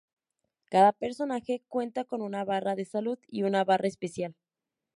Cada personaje cuenta con una barra de salud y una barra especial.